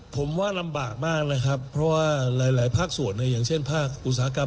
ผมว่าลำบากมากนะครับเพราะว่าหลายภาคส่วนอย่างเช่นภาคอุตสาหกรรม